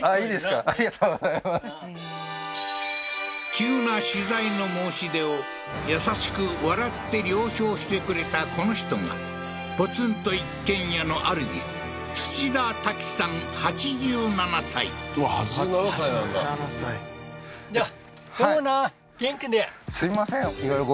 急な取材の申し出を優しく笑って了承してくれたこの人がポツンと一軒家のあるじうわ８７歳なんだじゃあ